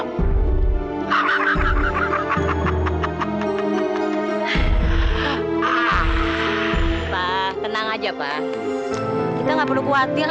sekarang kita harus tinggal di mana